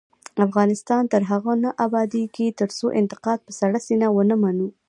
افغانستان تر هغو نه ابادیږي، ترڅو انتقاد په سړه سینه ونه منو.